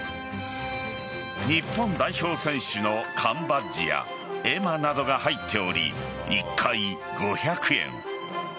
日本代表選手の缶バッジや絵馬などが入っており１回５００円。